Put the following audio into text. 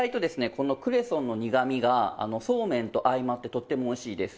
このクレソンの苦みがそうめんと相まってとってもおいしいです。